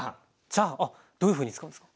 チャーハンどういうふうに使うんですか？